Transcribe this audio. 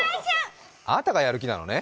あなたがやる気なのね。